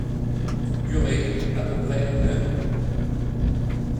Durée : à peu près une heure.